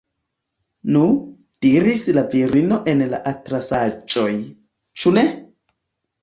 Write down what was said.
Nu, diris la virino en la atlasaĵoj, ĉu ne?